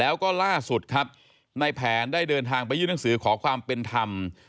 แล้วก็ล่าสุดครับในแผนได้เดินทางไปยื่นหนังสือขอความเป็นธรรม